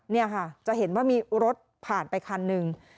นี่ค่ะจะเห็นว่ามีรถผ่านไปคันหนึ่ง